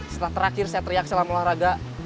setelah terakhir saya teriak selam olahraga